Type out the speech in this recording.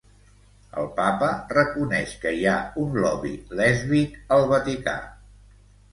El Papa reconeix que hi ha un 'lobby' lèsbic al Vaticà.